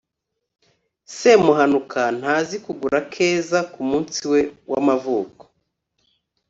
semuhanuka ntazi kugura keza kumunsi we w'amavuko